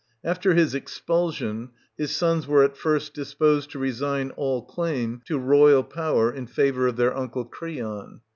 After his expulsion, his sons were at first disposed to resign all claim to royal power in favour of their uncle Creon.